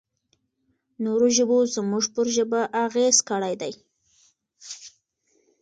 نورو ژبو زموږ پر ژبه اغېز کړی دی.